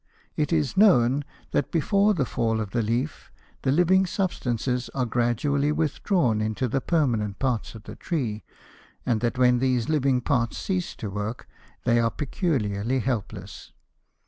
It is known that before the fall of the leaf the living substances are gradually withdrawn into the permanent parts of the tree, and that when these living parts cease to work they are peculiarly helpless.